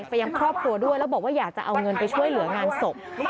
ยังครอบครัวด้วยแล้วบอกว่าอยากจะเอาเงินไปช่วยเหลืองานศพ